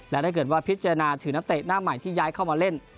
และถ้าเกิดว่าพิจารณาถึงนักเตะหน้าใหม่ที่ย้ายเข้ามาเล่น